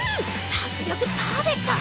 迫力パーフェクト。